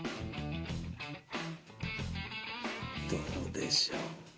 どうでしょう？